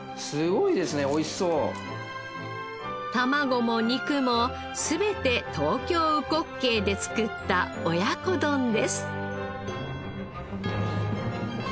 卵も肉も全て東京うこっけいで作った親子丼です。